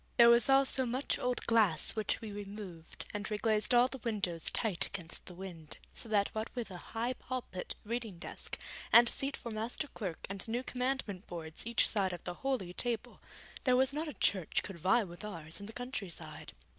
There was also much old glass which we removed, and reglazed all the windows tight against the wind, so that what with a high pulpit, reading desk, and seat for Master Clerk and new Commandment boards each side of the Holy Table, there was not a church could vie with ours in the countryside.